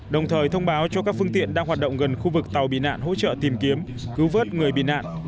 đồng thời thông báo cho các phương tiện đang hoạt động gần khu vực tàu bị nạn hỗ trợ tìm kiếm cứu vớt người bị nạn